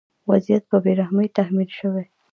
وضعیت په بې رحمۍ تحمیل شوی.